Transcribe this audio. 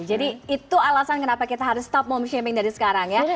jadi itu alasan kenapa kita harus stop mom shaping dari sekarang ya